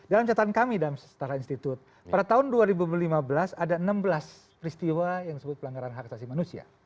dalam catatan kami dalam setara institut pada tahun dua ribu lima belas ada enam belas peristiwa yang disebut pelanggaran hak asasi manusia